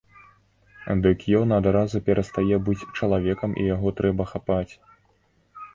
Дык ён адразу перастае быць чалавекам і яго трэба хапаць?